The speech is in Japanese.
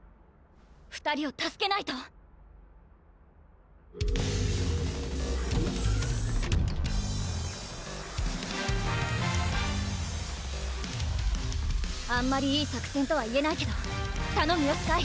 ２人を助けないとあんまりいい作戦とはいえないけどたのむよスカイ！